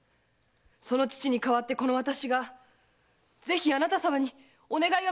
その父に代わってこの私がぜひあなたさまにお願いがございます！